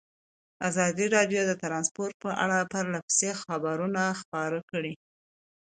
ازادي راډیو د ترانسپورټ په اړه پرله پسې خبرونه خپاره کړي.